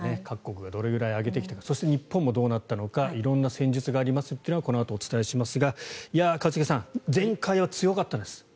各国がどれくらい上げてきたか日本もどうなったか色んな戦術がありますということはこのあとお伝えしますが一茂さん、前回は強かったです。